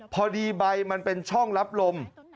พอดีใบมันเป็นช่องรับลม